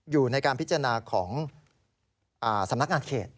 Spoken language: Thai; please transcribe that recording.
อยู่ในการพิจารณาของสำนักงานเขต